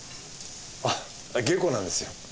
あっ下戸なんですよ。